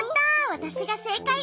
わたしがせいかい。